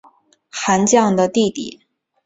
韩绛的弟弟。